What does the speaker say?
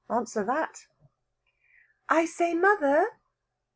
Answer that. "I say, mother!"